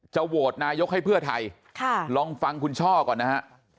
โหวตนายกให้เพื่อไทยลองฟังคุณช่อก่อนนะฮะ